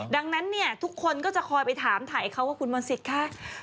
ดังนั้นเนี่ยทุกคนก็จะคอยไปถามถ่ายเขาว่าคุณมนต์สิทธิ์คะ